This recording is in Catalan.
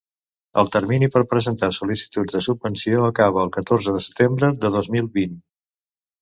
El termini per presentar sol·licituds de subvenció acaba el catorze de setembre de dos mil vint.